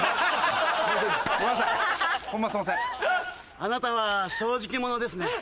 あなたは正直者ですね。